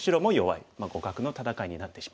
互角の戦いになってしまいました。